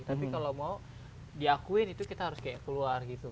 tapi kalau mau diakuin itu kita harus kayak keluar gitu